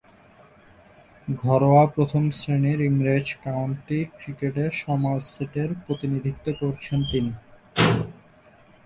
ঘরোয়া প্রথম-শ্রেণীর ইংরেজ কাউন্টি ক্রিকেটে সমারসেটের প্রতিনিধিত্ব করেছেন তিনি।